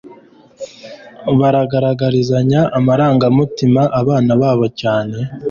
bagaragarizanya amarangamutima abana babo cyane .